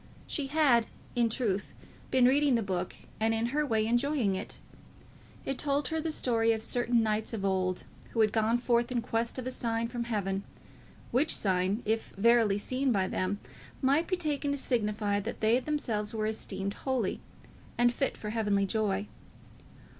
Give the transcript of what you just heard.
She had in truth been reading the book, and in her way enjoying it. It told her the story of certain knights of old, who had gone forth in quest of a sign from heaven, which sign, if verily seen by them, might be taken to signify that they themselves were esteemed holy, and fit for heavenly joy.